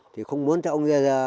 thì không muốn cho ông ra